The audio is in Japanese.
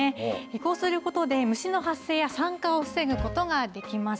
こうすることで虫の発生や酸化を防ぐことができます。